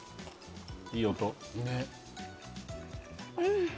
いい音。